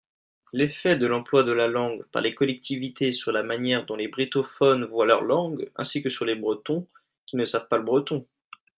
l'effet de l'emploi de la langue par les collectivités sur la manière dont les brittophones voient leur langue, ainsi que sur les Bretons qui ne savent pas le breton.